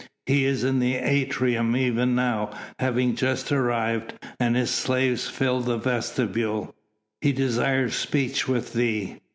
"He is in the atrium even now, having just arrived, and his slaves fill the vestibule. He desires speech with thee."